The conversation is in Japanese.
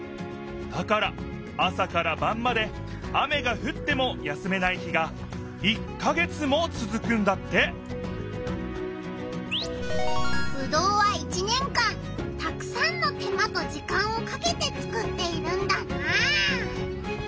だから朝からばんまで雨がふっても休めない日が「１か月」もつづくんだってぶどうは１年間たくさんの手間と時間をかけてつくっているんだなあ。